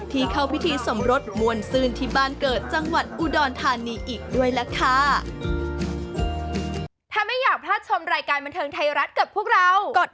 เข้าพิธีสมรสมวลซื่นที่บ้านเกิดจังหวัดอุดรธานีอีกด้วยล่ะค่ะ